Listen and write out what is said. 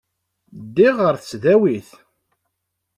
Ddiɣ ɣer tesdawit.